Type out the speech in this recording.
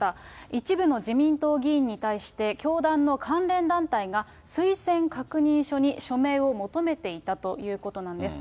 一部の自民党議員に対して、教団の関連団体が、推薦確認書に署名を求めていたということなんです。